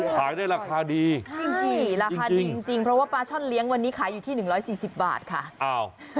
ขายได้ราคาดีจริงราคาดีจริงเพราะว่าปลาช่อนเลี้ยงวันนี้ขายอยู่ที่๑๔๐บาทค่ะ